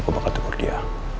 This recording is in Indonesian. gue bakal tegur dia